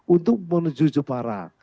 untuk menuju jepara